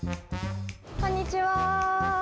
こんにちは。